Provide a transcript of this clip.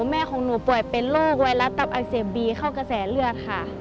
แม่ของหนูป่วยเป็นโรคไวรัสตับอักเสบบีเข้ากระแสเลือดค่ะ